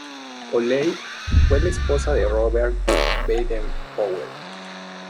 Olave fue la esposa de Robert Baden-Powell.